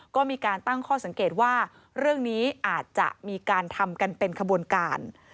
ก็มีการตั้งข้อสังเกตว่าเรื่องนี้อาจจะมีการทำกันเป็นขบวนการ